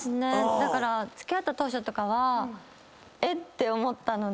だから付き合った当初とかはえっ⁉って思ったので。